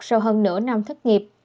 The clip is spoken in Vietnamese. sau hơn nửa năm thất nghiệp